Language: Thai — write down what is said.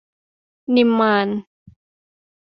นิมมาน